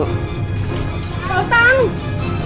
กระเป๋าตังค์